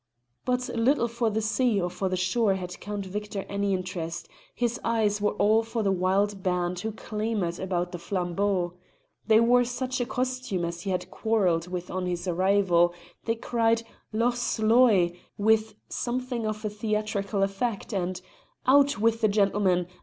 But little for the sea or for the shore had Count Victor any interest; his eyes were all for the wild band who clamoured about the flambeau. They wore such a costume as he had quarrelled with on his arrival; they cried "Loch Sloy!" with something of theatrical effect, and "Out with the gentleman!